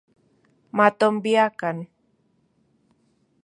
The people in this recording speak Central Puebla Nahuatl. Matonbiakan